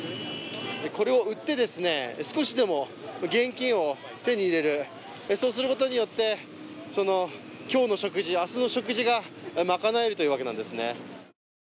これを売ってですね、少しでも現金を手に入れる、そうすることによって今日の食事明日の食事が賄えるということなんですね。